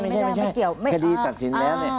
ไม่ใช่คดีตัดสินแล้ว